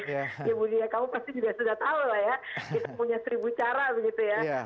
ya budi ya kamu pasti juga sudah tahu lah ya kita punya seribu cara begitu ya